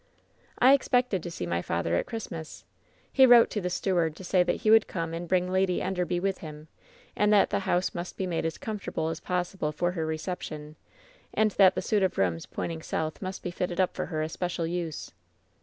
"I expected to see my father at Christmas. He wrote to the steward to say that he would come and bring Lady Enderby with him, and that the house must be made as comfortable as possible for her reception ; and that the suit of rooms pointing south must be fitted up for her especial use.